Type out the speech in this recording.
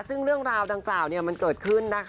ซึ่งเรื่องราวดังกล่าวมันเกิดขึ้น